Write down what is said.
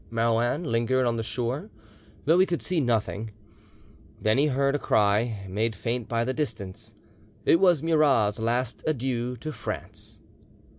Marouin lingered on the shore, though he could see nothing; then he heard a cry, made faint by the distance; it was Murat's last adieu to France.